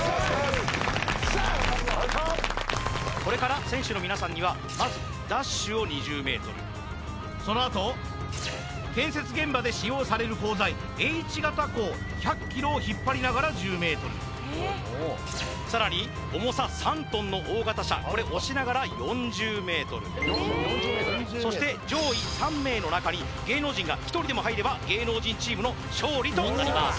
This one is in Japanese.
これから選手の皆さんにはまずダッシュを２０ｍそのあと建設現場で使用される鋼材Ｈ形鋼１００ｋｇを引っ張りながら１０ｍさらに重さ３ｔの大型車これ押しながら４０ｍそして上位３名の中に芸能人が１人でも入れば芸能人チームの勝利となります